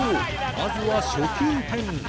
まずは初級編